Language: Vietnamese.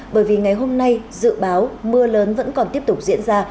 bởi vì ngày hôm nay dự báo mưa lớn vẫn còn tiếp tục diễn ra